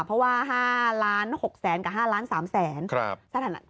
เพราะว่า๕ล้าน๖แสนกับ๕ล้าน๓แสน